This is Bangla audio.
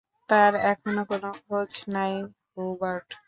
তার এখনো কোন খোঁজ নাই, হুবার্ট।